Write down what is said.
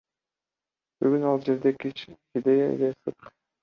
Бүгүн ал жерде кечээкидей эле ысык.